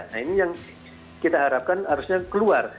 nah ini yang kita harapkan harusnya keluar